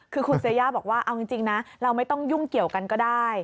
คือคุณเซย่าบอกว่าเอาจริงนะเราไม่ต้องยุ่งเกี่ยวกันก็ได้